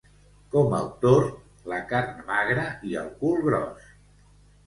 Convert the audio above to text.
Com el tord, la carn magra i el cul gros.